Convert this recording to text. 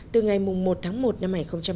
từ ngày một tháng một năm hai nghìn một mươi tám